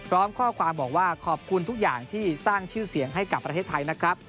พร้อมข้อความบอกว่าขอบคุณทุกอย่างที่สร้างชื่อเสียงให้กับประเทศไทยนะครับ